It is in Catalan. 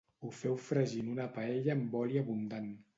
ho feu fregir en una paella amb oli abundant